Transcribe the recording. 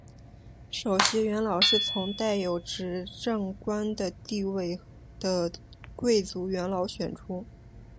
首席元老是从带有执政官的地位的贵族元老选出。